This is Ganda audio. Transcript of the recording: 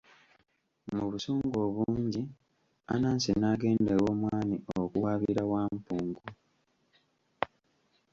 Mu busungu obungi, Anansi n'agenda ew'omwami okuwaabira Wampungu.